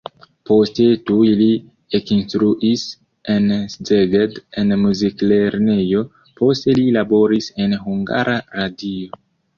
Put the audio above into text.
Poste tuj li ekinstruis en Szeged en muziklernejo, poste li laboris en Hungara Radio.